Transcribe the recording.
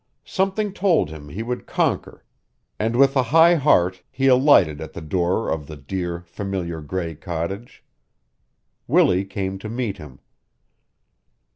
Something told him he would conquer and with a high heart he alighted at the door of the dear, familiar gray cottage. Willie came to meet him.